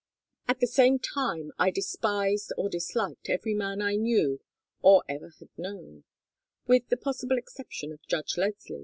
At the same time I despised or disliked every man I knew or ever had known with the possible exception of Judge Leslie.